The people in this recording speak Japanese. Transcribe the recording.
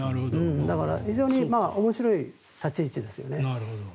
だから非常に面白い立ち位置ですよね。